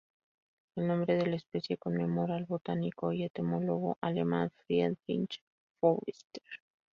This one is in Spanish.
El nombre de la especie conmemora al botánico y entomólogo alemán Friedrich Foerster.